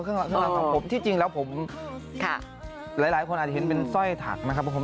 อ๋อข้างหลังของผมที่จริงแล้วผมหลายคนอาจเห็นเป็นสร้อยถักนะครับผม